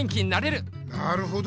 なるほど！